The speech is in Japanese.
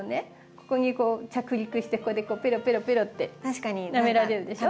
ここにこう着陸してここでペロペロってなめられるでしょ。